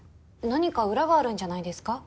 何か裏があるんじゃないですか？